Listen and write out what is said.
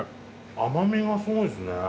甘みがすごいですね。